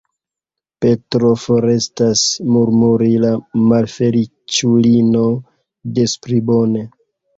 Petro forestas, murmuris la malfeliĉulino; des pli bone.